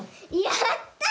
やった！